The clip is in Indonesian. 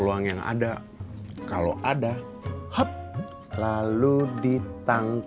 udahagan evangalnya di bekerja sama caranya tapi itu moo